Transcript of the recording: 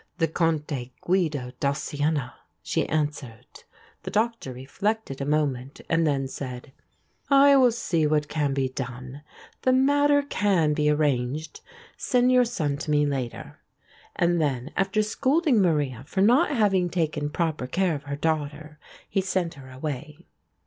"The Conte Guido da Siena," she answered. The Doctor reflected a moment, and then said: "I will see what can be done. The matter can be arranged. Send your son to me later." And then, after scolding Maria for not having taken proper care of her daughter, he sent her away.